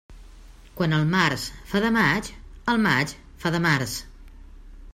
Quan el març fa de maig, el maig fa de març.